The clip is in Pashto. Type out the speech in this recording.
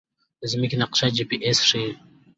د ځمکې نقشه جی پي اس ښيي